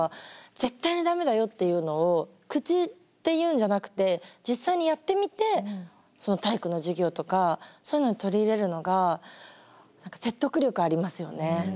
絶対に駄目だよっていうのを口で言うんじゃなくて実際にやってみて体育の授業とかそういうので取り入れるのが何か説得力ありますよね。